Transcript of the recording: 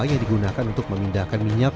yang digunakan untuk memindahkan minyak